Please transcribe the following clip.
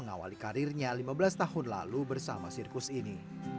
mengawali karirnya lima belas tahun lalu bersama sirkus ini